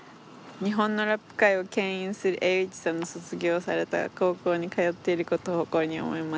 「日本のラップ界を牽引するＡｗｉｃｈさんの卒業された高校に通っていることを誇りに思います。